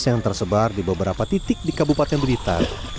yang tersebar di beberapa titik di kabupaten blitar